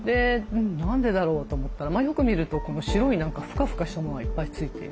何でだろうと思ったらよく見ると白いフカフカしたものがいっぱい付いている。